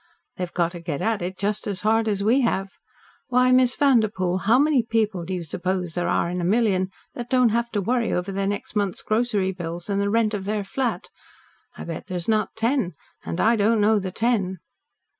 They've got to get at it just as hard as we have. Why, Miss Vanderpoel, how many people do you suppose there are in a million that don't have to worry over their next month's grocery bills, and the rent of their flat? I bet there's not ten and I don't know the ten."